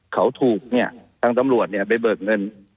เขาถูกเนี่ยทางตำรวจเนี่ยไปเบิกเงิน